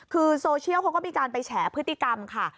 คือโซเชียลเขาก็มีการไปแฉพฤติกรรมค่ะ